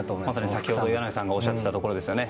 先ほど箭内さんがおっしゃっていたところですよね。